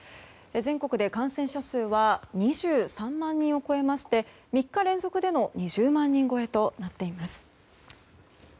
全国で感染者数は２３万人を超えまして３日連続での２０万人超えとなっています。